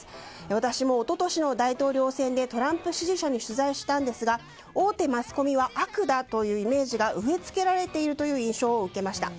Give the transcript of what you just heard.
私も一昨年の大統領選でトランプ支持者に取材したんですが大手マスコミは悪だというイメージが植えつけられているという印象を受けました。